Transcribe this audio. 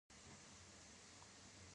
ازادي راډیو د تعلیم ته پام اړولی.